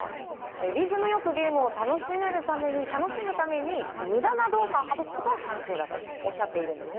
リズム良くゲームを楽しむために無駄な動作を省くことは賛成だとおっしゃっています。